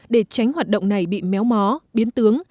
để tránh hoạt động này bị méo mó biến tướng